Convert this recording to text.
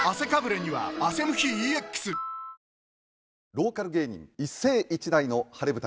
ローカル芸人一世一代の晴れ舞台。